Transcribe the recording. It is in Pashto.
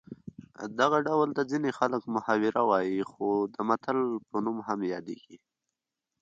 دغه ډول ته ځینې خلک محاوره وايي خو د متل په نوم هم یادیږي